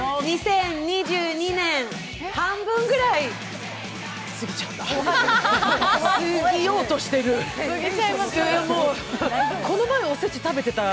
２０２２年、半分ぐらい過ぎちゃった。